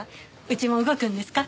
うちも動くんですか？